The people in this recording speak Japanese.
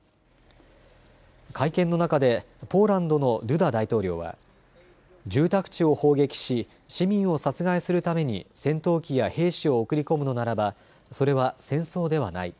会見の中でポーランドのドゥダ大統領は住宅地を砲撃し、市民を殺害するために戦闘機や兵士を送り込むのならばそれは戦争ではない。